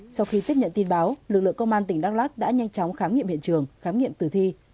sau khi tiếp nhận tin báo lực lượng công an tỉnh đắk lắc đã nhanh chóng khám nghiệm hiện trường khám nghiệm tử thi